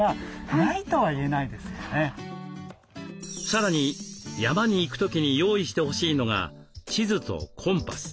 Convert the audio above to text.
さらに山に行く時に用意してほしいのが地図とコンパス。